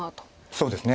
そうですね。